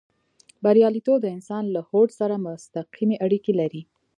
برياليتوب د انسان له هوډ سره مستقيمې اړيکې لري.